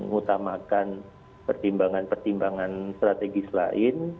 mengutamakan pertimbangan pertimbangan strategis lain